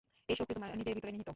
এই শক্তি তোমার নিজের ভিতরে নিহিত।